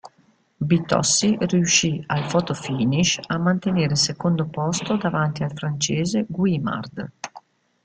Bitossi riuscì, al fotofinish, a mantenere il secondo posto davanti al francese Guimard.